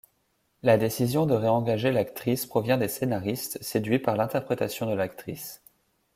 La décision de réengager l'actrice provient des scénaristes, séduits par l'interprétation de l'actrice.